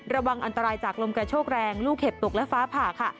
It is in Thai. ระวังอันตรายจากลมกระโชกแรงลูกเห็บตกและฟ้าผ่าค่ะ